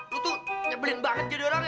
lu tuh nyebelin banget jadi orang